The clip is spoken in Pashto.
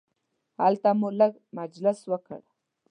هلته مو لږ مجلس وکړ.